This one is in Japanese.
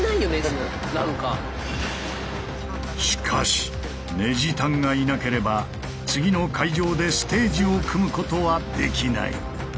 しかしネジ担がいなければ次の会場でステージを組むことはできない。